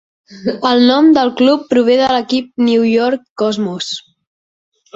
El nom del club prové de l"equip New York Cosmos.